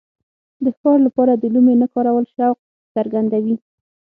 د ښکار لپاره د لومې نه کارول شوق څرګندوي.